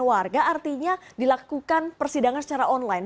warga artinya dilakukan persidangan secara online